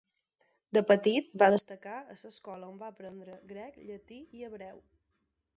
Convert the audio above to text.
De petit, va destacar a l'escola on va aprendre grec, llatí i hebreu.